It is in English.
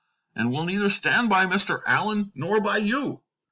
I will neither stand by Mr. Allen nor by you."